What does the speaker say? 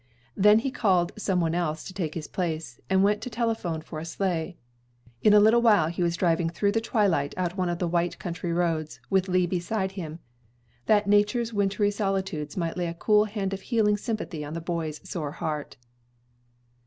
Then he called some one else to take his place, and went to telephone for a sleigh. In a little while he was driving through the twilight out one of the white country roads, with Lee beside him, that nature's wintry solitudes might lay a cool hand of healing sympathy on the boy's sore heart.